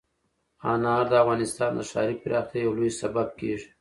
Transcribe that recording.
انار د افغانستان د ښاري پراختیا یو لوی سبب کېږي.